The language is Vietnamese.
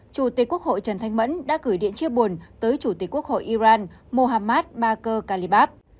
chủ tịch quốc hội trần thanh mẫn đã gửi điện chia buồn tới chủ tịch quốc hội iran mohammad bakor kalibaba